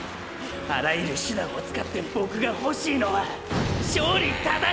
あらゆる手段を使ってボクが欲しいのは勝利ただ